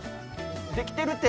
できてるって。